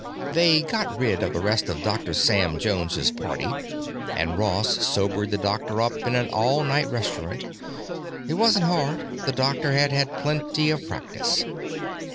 They got rid of the rest of Doctor Sam Jones's party, and Ross sobered the doctor up in an all night restaurant. It wasn't hard; the doctor had had plenty of practice.